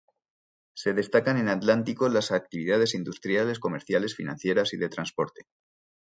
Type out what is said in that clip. Se destacan en Atlántico las actividades industriales, comerciales, financieras y de transporte.